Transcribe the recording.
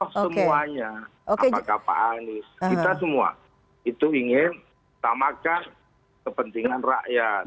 oh semuanya apakah pak anies kita semua itu ingin samakan kepentingan rakyat